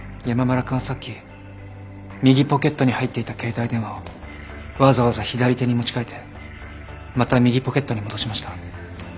山村君はさっき右ポケットに入っていた携帯電話をわざわざ左手に持ち替えてまた右ポケットに戻しました。